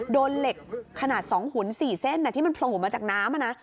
โดนเหล็กขนาด๒หุ่น๔เส้นที่มันโผล่มาจากน้ำ